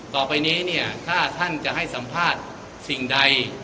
ต่อไปนี้เนี่ยถ้าท่านจะให้สัมภาษณ์สิ่งใด